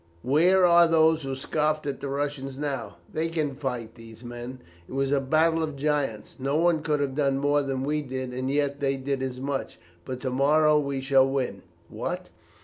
Where are those who scoffed at the Russians now? They can fight, these men. It was a battle of giants. No one could have done more than we did, and yet they did as much; but to morrow we shall win." "What!